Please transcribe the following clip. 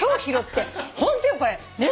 ホントよこれ。